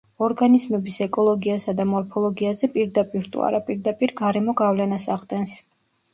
ორგანიზმების ეკოლოგიასა და მორფოლოგიაზე პირდაპირ თუ არაპირდაპირ გარემო გავლენას ახდენს.